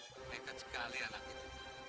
oh mereka sekali anak itu